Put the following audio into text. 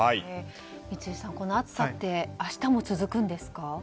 三井さん、この暑さって明日も続くんですか？